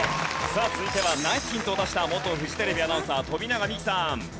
さあ続いてはナイスヒントを出した元フジテレビアナウンサー富永美樹さん。